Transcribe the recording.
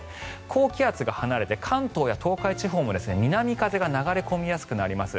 高気圧が離れて関東や東海地方も南風が流れ込みやすくなります。